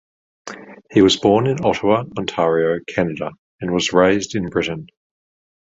He was born in Ottawa, Ontario, Canada, and was raised in Britain.